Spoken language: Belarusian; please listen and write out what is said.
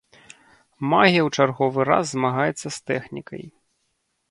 Магія ў чарговы раз змагаецца з тэхнікай.